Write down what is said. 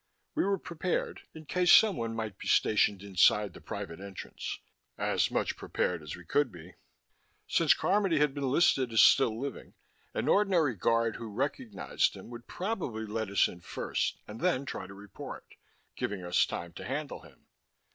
We were prepared in case someone might be stationed inside the private entrance, as much prepared as we could be; since Carmody had been listed as still living, an ordinary guard who recognized him would probably let us in first and then try to report giving us time to handle him.